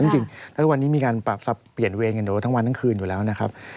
จริงแล้วทุกวันนี้มีการปรับเปลี่ยนเวรกันอยู่ทั้งวันทั้งคืนอยู่แล้วนะครับ